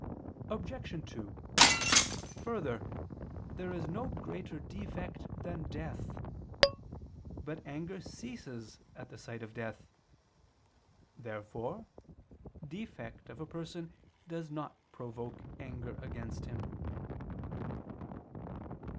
Obj. 2: Further, there is no greater defect than death. But anger ceases at the sight of death. Therefore defect of a person does not provoke anger against him.